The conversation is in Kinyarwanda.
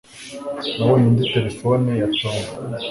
Nabonye indi terefone ya Tom.